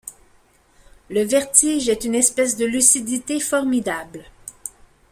Le vertige est une espèce de lucidité formidable.